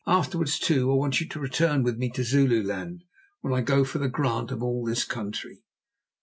Afterwards, too, I want you to return with me to Zululand when I go for the grant of all this country."